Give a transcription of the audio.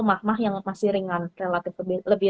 emah emah yang masih ringan relatif lebih